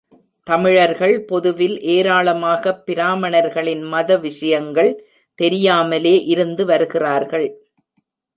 தமிழர்கள், பொதுவில் ஏராளமாகப் பிராமணர்களின் மத விஷயங்கள் தெரியாமலே இருந்து வருகிறார்கள்.